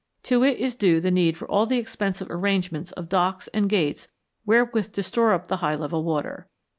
To it is due the need for all the expensive arrangements of docks and gates wherewith to store up the high level water.